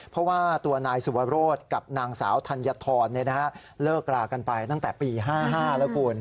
เพราะว่าตัวนายสุวรสกับนางสาวธัญฑรเลิกรากันไปตั้งแต่ปี๕๕แล้วคุณ